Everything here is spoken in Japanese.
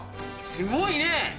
すごいね！